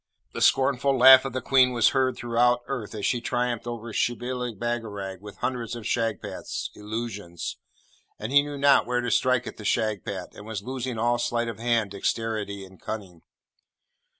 The scornful laugh of the Queen was heard throughout earth as she triumphed over Shibli Bagarag with hundreds of Shagpats, Illusions; and he knew not where to strike at the Shagpat, and was losing all sleight of hand, dexterity, and cunning.